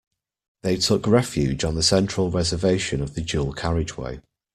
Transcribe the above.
They took refuge on the central reservation of the dual carriageway